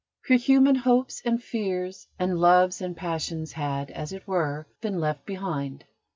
Her human hopes and fears and loves and passions had, as it were, been left behind.